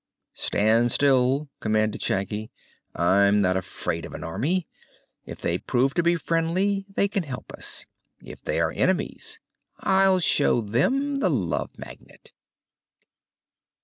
"Stand still," commanded Shaggy. "I'm not afraid of an army. If they prove to be friendly, they can help us; if they are enemies, I'll show them the Love Magnet."